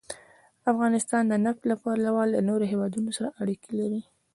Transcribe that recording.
افغانستان د نفت له پلوه له نورو هېوادونو سره اړیکې لري.